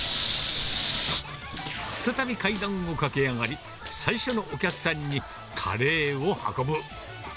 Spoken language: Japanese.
再び階段を駆け上がり、最初のお客さんにカレーを運ぶ。